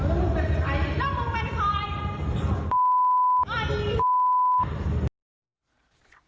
แล้วมึงเป็นใคร